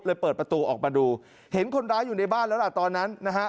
เปิดประตูออกมาดูเห็นคนร้ายอยู่ในบ้านแล้วล่ะตอนนั้นนะฮะ